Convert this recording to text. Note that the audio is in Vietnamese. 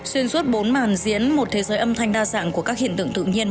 xuyên suốt bốn màn diễn một thế giới âm thanh đa dạng của các hiện tượng tự nhiên